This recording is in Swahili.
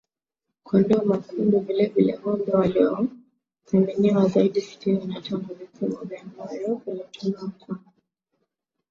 kondoo mwekundu vilevile ngombe waliothaminiwa zaidi Sitini na tano Vipimo vya moyo vilitumiwa kwa